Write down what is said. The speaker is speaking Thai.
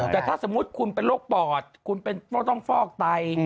แต่ถ้าสมมุติคุณเป็นโรคปอดคุณต้องฟอกไต